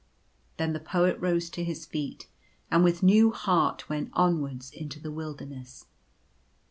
Then the Poet rose to his feet, and with new heart went onwards into the wilderness.